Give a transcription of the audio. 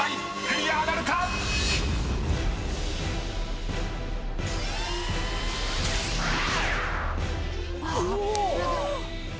クリアなるか⁉］あっ？